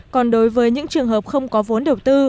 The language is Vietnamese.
còn đối với những trường hợp không có vốn đầu tư